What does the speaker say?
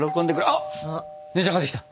あっ姉ちゃん帰ってきた！